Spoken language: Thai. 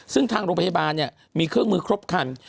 ซึ่งทางโรงพยาบาลมีเครื่องมือครบคัน